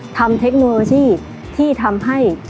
เทคโนโลยีที่ทำให้